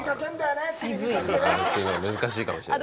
釣るのが難しいかもしれない。